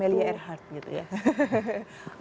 amelia earhart gitu ya